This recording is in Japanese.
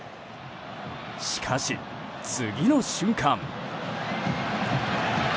しかし、次の瞬間。